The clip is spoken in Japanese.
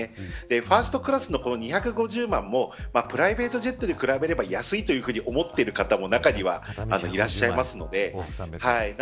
ファーストクラスの２５０万もプライベートジェットに比べれば安いと考えてる人もいると思います。